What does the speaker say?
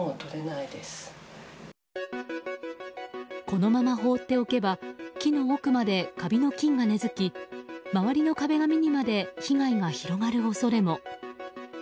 このまま放っておけば木の奥までカビの菌が根付き周りの壁紙にまで被害が広がる恐れも。